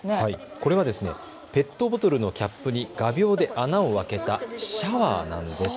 これはペットボトルのキャップに画びょうで穴を開けたシャワーなんです。